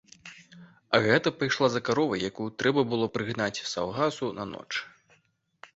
Агата пайшла за каровай, якую трэба было прыгнаць з саўгасу на ноч.